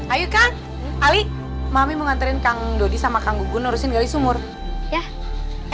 ayo kan ali mami mengantarin kang dodi sama kang gugur urusin gali sumur ya